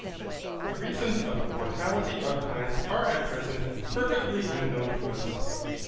The reasons of the mortality of plants are at present perfectly unknown to us.